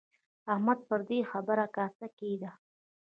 احمده! پر دې خبره کاسه کېږده.